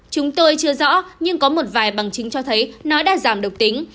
chúng tôi chưa rõ nhưng có một vài bằng chứng cho thấy nó đã giảm độc tính